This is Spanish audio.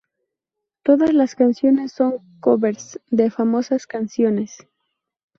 Todas las canciones son covers de famosas canciones.